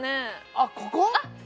あっここ？